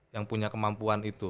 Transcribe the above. yang punya kemampuan itu